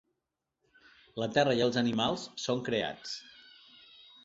La Terra i els animals són creats.